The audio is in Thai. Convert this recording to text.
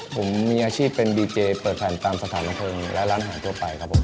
ผมมีอาชีพเป็นบีเจเปิดแผ่นตามสถานกลางเครื่องและร้านหาวันทั่วไปครับผม